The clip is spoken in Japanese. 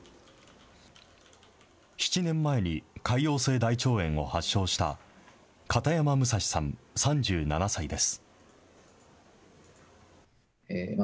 ７年前に、潰瘍性大腸炎を発症した、片山武蔵さん３７歳です。